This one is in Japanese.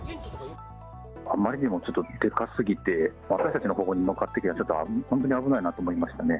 あまりにもちょっとでかすぎて、私たちのほうに向かってきたら、ちょっと、本当に危ないなと思いましたね。